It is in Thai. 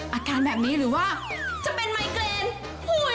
อาการแบบนี้หรือว่าจะเป็นไมเกรนป่วย